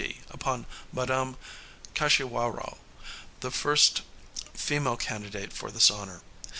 D. upon Madame Kaschewarow, the first female candidate for this honor.